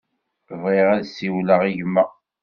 Bɣiɣ ad siwleɣ i gma.